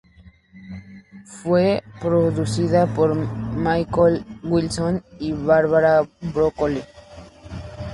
Fue producida por Michael G. Wilson y Barbara Broccoli.